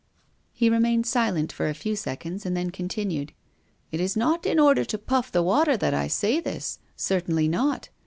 He remained silent for a few seconds, and then continued: "It is not in order to puff the water that I say this! certainly not.